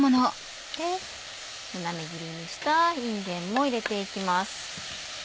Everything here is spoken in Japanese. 斜め切りにしたいんげんも入れていきます。